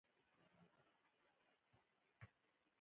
تر یوې بجې مو ځان په بنډار ستړی کړ.